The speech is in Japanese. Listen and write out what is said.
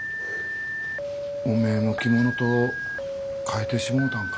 おめえの着物と換えてしもうたんか？